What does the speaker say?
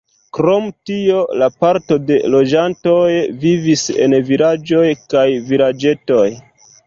Krom tio, la parto de loĝantoj vivis en vilaĝoj kaj vilaĝetoj.